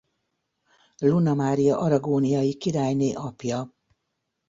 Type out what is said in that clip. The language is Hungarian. Luna Mária aragóniai királyné apja.